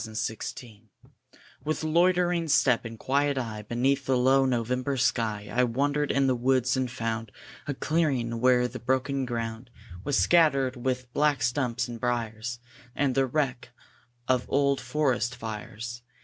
IN NOVEMBER With loitering step and quiet eye, Beneath the low November sky, I wandered in the woods, and found A clearing, where the broken ground Was scattered with black stumps and briers, And the old wreck of forest fires.